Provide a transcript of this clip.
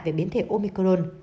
về biến thể omicron